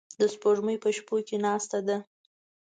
د سپوږمۍ په شپو کې ناسته ده